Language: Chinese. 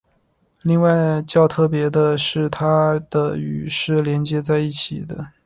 另外较特别的是它的与是连接在一起的。